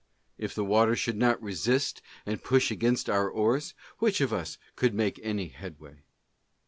If the water should not resist and push against our oars, which of us could make any headway